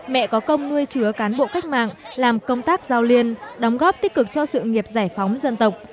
mẹ có công nuôi chứa cán bộ cách mạng làm công tác giao liên đóng góp tích cực cho sự nghiệp giải phóng dân tộc